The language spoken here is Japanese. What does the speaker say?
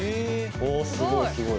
おおすごいすごい。